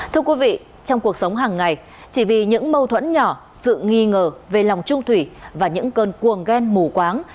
thưa quý vị trong cuộc sống hàng ngày chỉ vì những mâu thuẫn nhỏ sự nghi ngờ về lòng trung thủy và những cơn cuồng ghen mù quáng